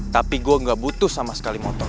tapi gue gak butuh sama sekali motor